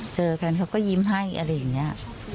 เจอกันเขาก็ยิ้มให้อะไรอย่างนี้